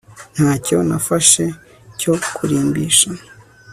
Ntacyo nafashe cyo kurimbisha